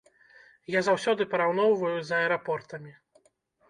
Я заўсёды параўноўваю з аэрапортамі.